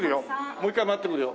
もう一回回ってくるよ